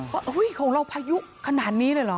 ว่าอุ้ยของเราพายุขนาดนี้เลยหรอ